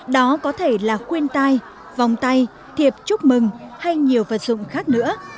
đó có thể là khuyên tai vòng tay thiệp chúc mừng hay nhiều vật dụng khác nữa